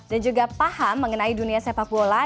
dan juga paham mengenai dunia sepak bola